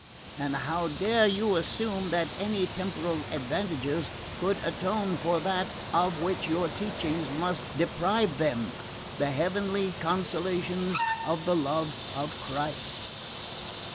And how dare you assume that any temporal advantages could atone for that of which your teachings must deprive them the heavenly consolations of the love of Christ?"